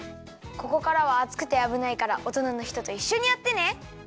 ここからはあつくてあぶないからおとなのひとといっしょにやってね。